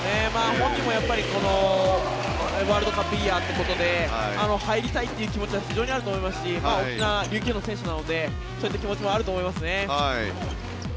本人もワールドカップイヤーということで入りたいという気持ちは非常にあると思いますし沖縄、琉球の選手なのでそういう気持ちもあると思いますね。